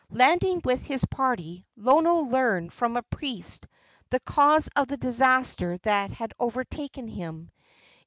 Landing with his party, Lono learned from a priest the cause of the disaster that had overtaken him.